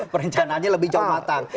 perencanaannya lebih jauh matang